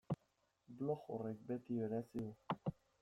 Blog horrek beti merezi du.